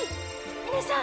皆さん